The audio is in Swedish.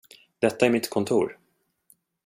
Detta är mitt kontor.